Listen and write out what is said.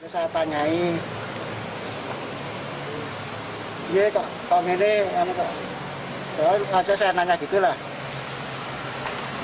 saya tanyai ya kok ini ya kok saya nanya gitu lah